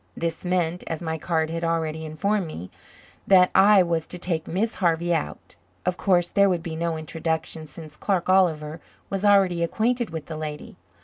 This meant, as my card had already informed me, that I was to take Miss Harvey out. Of course there would be no introduction since Clark Oliver was already acquainted with the lady.